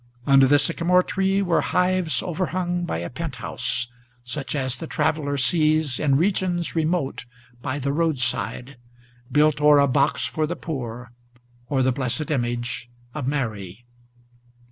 Under the sycamore tree were hives overhung by a penthouse, Such as the traveller sees in regions remote by the roadside, Built o'er a box for the poor, or the blessed image of Mary.